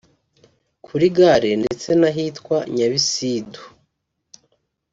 kuri Gare ndetse n’ahitwa Nyabisidu